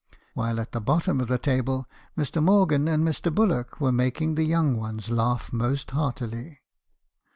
While at the bottom of the table, Mr. Morgan and Mr. Bullock were making the young ones laugh most heartily.